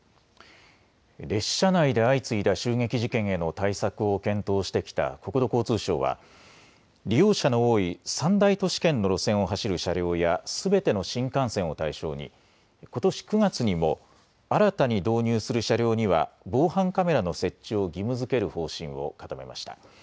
列車内で相次いだ襲撃事件への対策を検討してきた国土交通省は利用者の多い３大都市圏の路線を走る車両やすべての新幹線を対象に、ことし９月にも新たに導入する車両には防犯カメラの設置を義務づける方針を固めました。